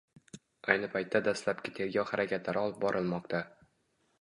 Ayni paytda dastlabki tergov harakatlari olib borilmoqda